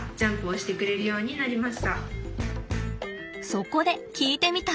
そこで聞いてみた！